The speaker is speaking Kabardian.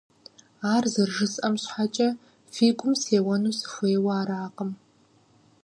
Ар зэрыжысӀэм щхьэкӀэ фи гум сеуэну сыхуейуэ аракъым…